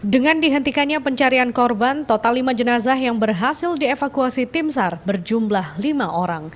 dengan dihentikannya pencarian korban total lima jenazah yang berhasil dievakuasi timsar berjumlah lima orang